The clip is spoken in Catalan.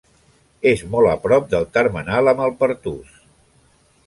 És molt a prop del termenal amb el Pertús.